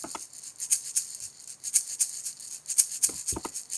Cultivos tradicionales son el trigo, maíz o nabo.